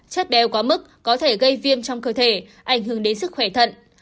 chất béo quá mức có thể gây viêm trong cơ thể ảnh hưởng đến sức khỏe thận